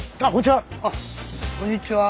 あっこんにちは！